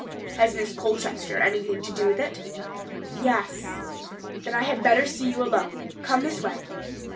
"Has Miss Colchester anything to do with it?" "Yes." "Then I had better see you alone. Come this way."